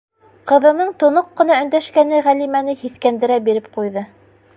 - Ҡыҙының тоноҡ ҡына өндәшкәне Ғәлимәне һиҫкәндерә биреп ҡуйҙы.